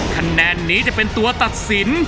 คะแนนนี้จะเป็นตัวตัดสิน